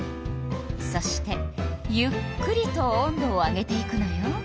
そしてゆっくりと温度を上げていくのよ。